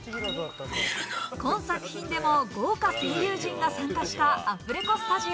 今作品でも豪華声優陣が参加したアフレコスタジオ。